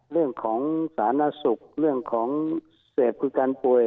เรื่องของสาธารณสุขเรื่องของเสพคือการป่วย